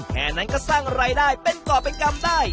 แค่นั้นก็สร้างรายได้เป็นก่อเป็นกรรมได้